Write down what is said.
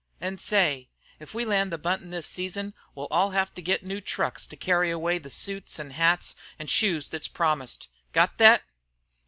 "An' say, if we land the buntin' this season we'll all have to get new trunks to carry away the suits an' hats an' shoes thet's promised. Got thet?"